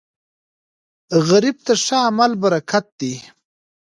غریب ته ښه عمل برکت دی